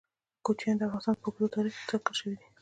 کوچیان د افغانستان په اوږده تاریخ کې ذکر شوی دی.